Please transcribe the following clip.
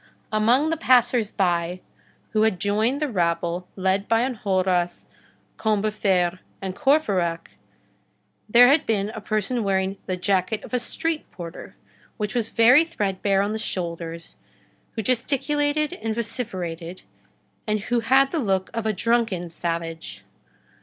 Among the passers by who had joined the rabble led by Enjolras, Combeferre, and Courfeyrac, there had been a person wearing the jacket of a street porter, which was very threadbare on the shoulders, who gesticulated and vociferated, and who had the look of a drunken savage.